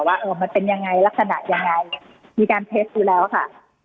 ว่าเออมันเป็นยังไงลักษณะยังไงมีการเทสอยู่แล้วค่ะ